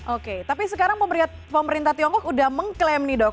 oke tapi sekarang pemerintah tiongkok udah mengklaim nih dok